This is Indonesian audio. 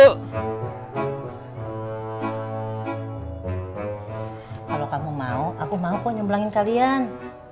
kalau kamu mau aku mau kok nyembelangin kalian